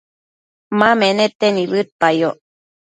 ma menete nibëdpayoc